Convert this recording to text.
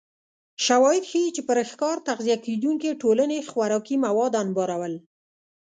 شواهد ښيي چې پر ښکار تغذیه کېدونکې ټولنې خوراکي مواد انبارول